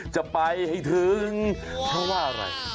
จะไปให้ถึงเพราะว่าอะไร